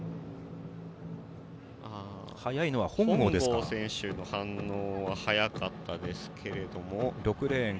本郷選手の反応は早かったですけれども。